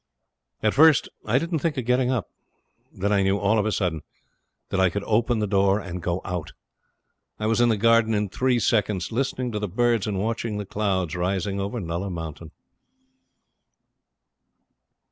At first I didn't think of getting up. Then I knew, all of a sudden, that I could open the door and go out. I was in the garden in three seconds, listening to the birds and watching the clouds rising over Nulla Mountain.